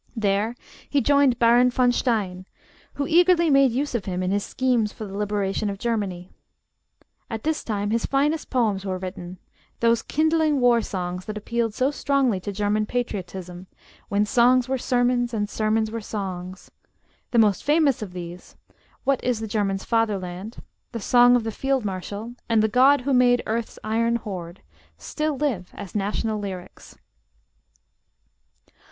There he joined Baron von Stein, who eagerly made use of him in his schemes for the liberation of Germany. At this time his finest poems were written: those kindling war songs that appealed so strongly to German patriotism, when "songs were sermons and sermons were songs." The most famous of these, 'What is the German's Fatherland?' 'The Song of the Field marshal,' and 'The God Who Made Earth's Iron Hoard,' still live as national lyrics.